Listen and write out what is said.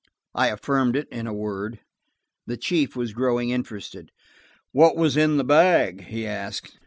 I affirmed it in a word. The chief was growing interested. "What was in the bag?" he asked.